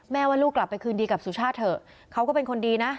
ว่าลูกกลับไปคืนดีกับสุชาติเถอะเขาก็เป็นคนดีนะ